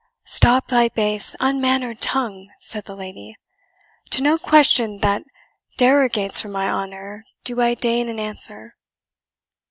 "Stop thy base, unmannered tongue!" said the lady; "to no question that derogates from my honour do I deign an answer."